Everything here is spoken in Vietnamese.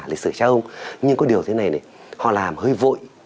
lịch sử cháu nhưng có điều thế này họ làm hơi vội